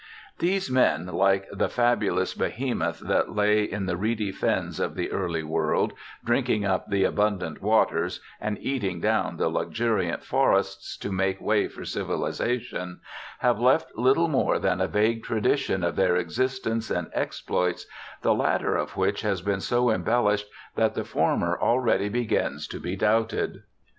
These men, like the fabulous Behemoth that lay in the reedy fens of the early world, drinking up the abundant waters and eating down the luxuriant forests, to make way for civilization, have left little more than a vague tradition of their existence and exploits, the latter of which has been so embellished that the former already begins to be doubted.